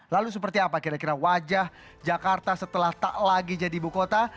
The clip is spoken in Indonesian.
lalu seperti apa kira kira wajah jakarta setelah tak lagi jadi ibu kota